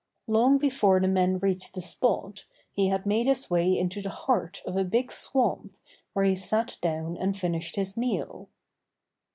Long before thje men reached the spot he had made his way into the heart of a big swamp where he sat down and finished his meal.